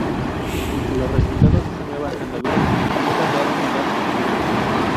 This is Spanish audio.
Los resultados de esta nueva andadura no tardaron en dar sus frutos.